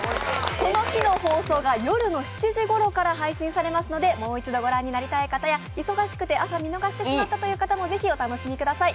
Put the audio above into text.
その日の放送が夜の７時ごろから放送されますのでもう一度御覧になりたい方や忙しくて朝見逃してしまった方もぜひ、お楽しみください。